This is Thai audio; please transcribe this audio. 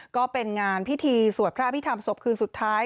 ก็เป็นงานพิธีสวัสดิ์พระพิธามศพคืนสุดท้าย